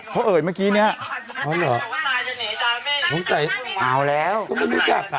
เมื่อกี้เนี่ยเอาแล้วก็ไม่รู้จักค่ะ